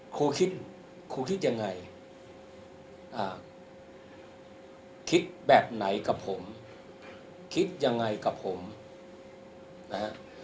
ครูคิดครูคิดยังไงคิดแบบไหนกับผมคิดยังไงกับผมนะฮะ